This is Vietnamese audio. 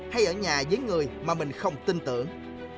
hay ở nhà với người mà mình không tin tưởng